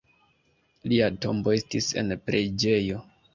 Lia tombo estis en preĝejo.